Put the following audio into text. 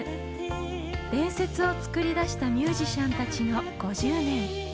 伝説を作り出したミュージシャンたちの５０年。